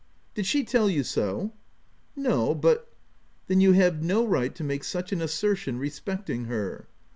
" Did she tell you so ?" "No, but— " 14 Then you have no right to make such an assertion respecting her."